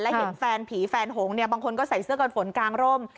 และเห็นแฟนผีแฟนหงบางคนก็ใส่เสื้อกันฝนกลางร่ม